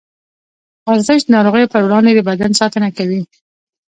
ورزش د نارغيو پر وړاندې د بدن ساتنه کوي.